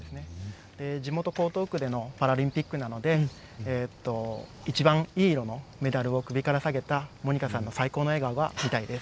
地元・江東区でのパラリンピックなので一番いい色のメダルを首から提げたモニカさんの最高の笑顔が見たいです。